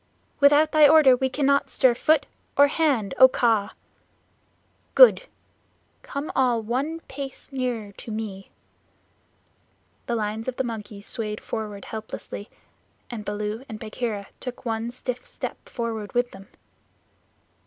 "Without thy order we cannot stir foot or hand, O Kaa!" "Good! Come all one pace nearer to me." The lines of the monkeys swayed forward helplessly, and Baloo and Bagheera took one stiff step forward with them.